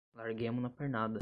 Larguemo na pernada!